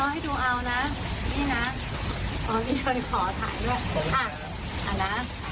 เห็นไหมคะ